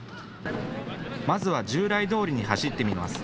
まずは従来どおりに走ってみます。